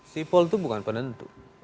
sipol itu bukan penentu